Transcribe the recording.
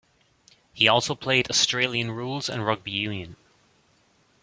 He also played Australian Rules and Rugby union.